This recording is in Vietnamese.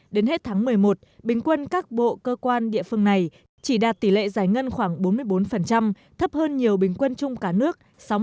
đến hết tháng một mươi một bình quân các bộ cơ quan địa phương này chỉ đạt tỷ lệ giải ngân khoảng bốn mươi bốn thấp hơn nhiều bình quân chung cả nước sáu mươi